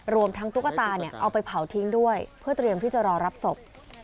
รวมทั้งตุ๊กตาเอาไปเผาทิ้งด้วยเพื่อเตรียมที่จะรอรับศพ